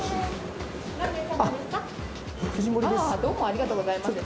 ありがとうございます。